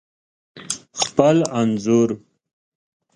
خپل انځور